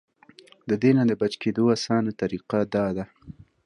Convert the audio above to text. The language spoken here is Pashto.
د دې نه د بچ کېدو اسانه طريقه دا ده -